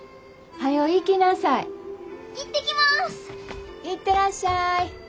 はよ行きなさい。